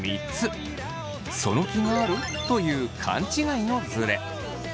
「その気がある？」という勘違いのズレ。